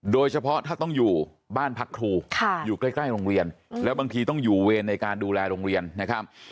โดยเฉพาะถ้าต้องอยู่บ้านพักครูอยู่ใกล้โรงเรียนแล้วบางทีต้องอยู่เวรในการดูแลโรงเรียนนะครับ